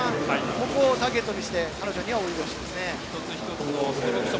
ここをターゲットにして泳いでほしいですね。